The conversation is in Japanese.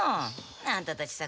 あんたたちさ